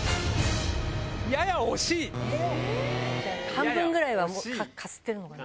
半分ぐらいはかすってるのかな？